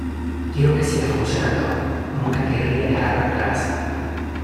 Quiero que siga funcionando, nunca querría dejarla atrás.